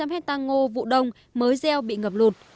một hai trăm linh hectare ngô vụ đông mới gieo bị ngập lột